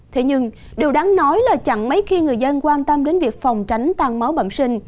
thế nhưng điều đáng nói là chẳng mấy khi người dân quan tâm đến việc phòng tránh tăng máu bẩm sinh